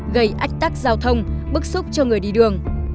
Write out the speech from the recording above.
gây ách tắc giao thông bức xúc cho người đi đường